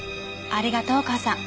ありがとう母さん。